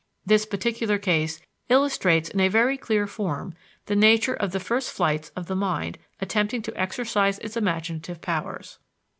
This particular case illustrates in a very clear form the nature of the first flights of the mind attempting to exercise its imaginative powers.